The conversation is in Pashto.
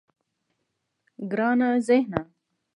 گرانه ذهنه.